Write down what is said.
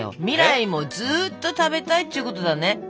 未来もずーっと食べたいっちゅうことだね。